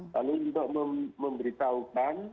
lalu untuk memberitahukan